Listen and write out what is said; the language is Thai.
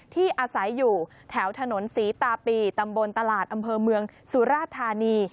ที่อาศัยอยู่แถวถนนศรีตาปีตำบลตลาดอำเภอเมืองสุราธานี